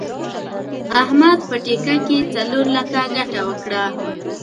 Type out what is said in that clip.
احمد په ټېکه کې څلور لکه ګټه وکړه.